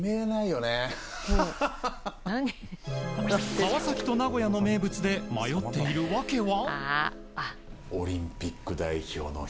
川崎と名古屋の名物で迷っている訳は。